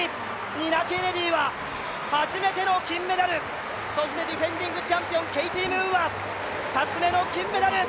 ニナ・ケネディは初めての金メダルそしてディフェンディングチャンピオンケイティ・ムーンは２つ目の金メダル。